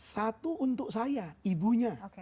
satu untuk saya ibunya